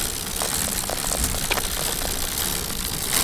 მთავრობის ქმედებებმა გაამწვავა საზოგადოების დამოკიდებულება შინ და საზღვარგარეთაც.